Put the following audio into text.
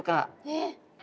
えっ？